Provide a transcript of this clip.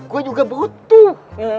gue juga butuh